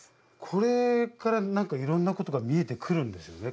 これから何かいろんなことが見えてくるんですよね？